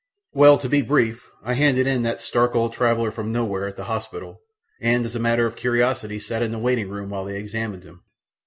Well, to be brief, I handed in that stark old traveller from nowhere at the hospital, and as a matter of curiosity sat in the waiting room while they examined him.